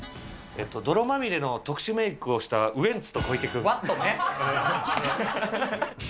泥まみれの特殊メークをしたウエンツと小池君。